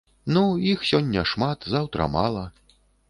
Ну, іх сёння шмат, заўтра мала.